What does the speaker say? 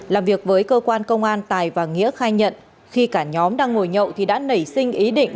làm việc với cơ quan công an tài và nghĩa khai nhận khi cả nhóm đang ngồi nhậu thì đã nảy sinh ý định